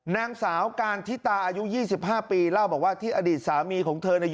นางสาวการทิตาอายุ๒๕ปีเล่าบอกว่าที่อดีตสามีของเธอ